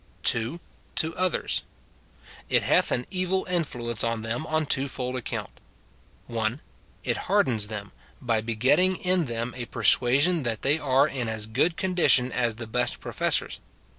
2. To others. It hath an evil influence on them on a twofold account: — (1.) It hardens them, by begetting in them a persua sion that they are in as good condition as the best pro fessors.